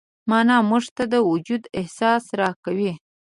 معنی موږ ته د وجود احساس راکوي.